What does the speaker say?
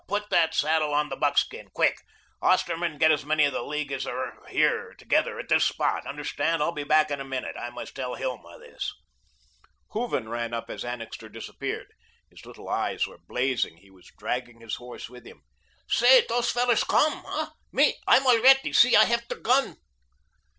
Put the saddle on the buckskin, QUICK. Osterman, get as many of the League as are here together at THIS spot, understand. I'll be back in a minute. I must tell Hilma this." Hooven ran up as Annixter disappeared. His little eyes were blazing, he was dragging his horse with him. "Say, dose fellers come, hey? Me, I'm alretty, see I hev der guhn."